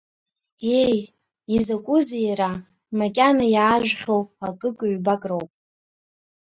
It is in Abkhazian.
Ееи, изакәызеи иара, макьана иаажәхьоу акык-ҩбак роуп…